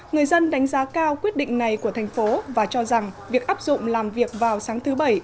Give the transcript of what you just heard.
người dân đánh giá cao quyết định này của thành phố và cho rằng việc áp dụng làm việc vào sáng thứ bảy